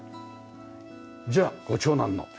じゃあご長男の。